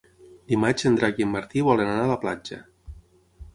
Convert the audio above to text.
Dimarts en Drac i en Martí volen anar a la platja.